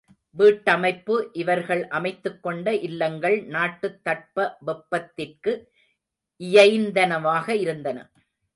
வீட்டமைப்பு இவர்கள் அமைத்துக்கொண்ட இல்லங்கள் நாட்டுத் தட்ப வெப்பத்திற்கு இயைந்தனவாக இருந்தன.